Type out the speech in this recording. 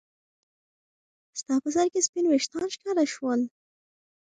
ستا په سر کې سپین ويښتان ښکاره شول.